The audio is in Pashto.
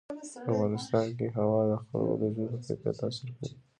په افغانستان کې هوا د خلکو د ژوند په کیفیت تاثیر کوي.